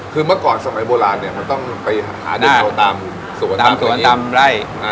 คือเมื่อก่อนสมัยโบราณนี้